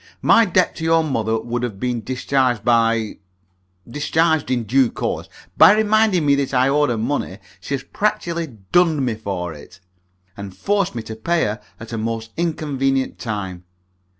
My debt to your mother would have been discharged by discharged in due course. By reminding me that I owed her money, she has practically dunned me for it, and forced me to pay her at a most inconvenient time.